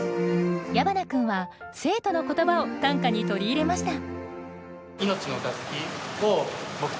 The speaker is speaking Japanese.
矢花君は生徒の言葉を短歌に取り入れました。